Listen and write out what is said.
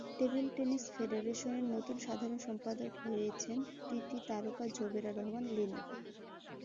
Table tennis ফেডারেশনের নতুন সাধারণ সম্পাদক হয়েছেন টিটি তারকা জোবেরা রহমান লিনু।